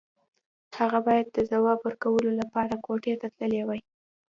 هغه بايد د ځواب ورکولو لپاره کوټې ته تللی وای.